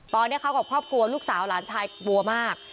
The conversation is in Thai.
ตอนนี้เขากับครอบครัวลูกสาวหลานชายกลัวมาก